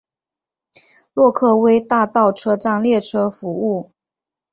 洛克威大道车站列车服务。